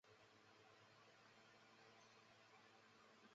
该电视剧的总导演为成浩。